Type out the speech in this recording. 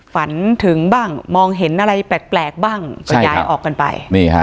ฝันถึงบ้างมองเห็นอะไรแปลกบ้างก็ย้ายออกกันไป